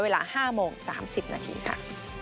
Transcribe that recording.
เวลา๕โมง๓๐นาทีค่ะ